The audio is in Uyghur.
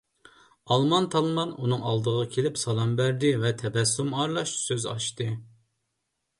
ئالمان - تالمان ئۇنىڭ ئالدىغا كېلىپ سالام بەردى ۋە تەبەسسۇم ئارىلاش سۆز ئاچتى: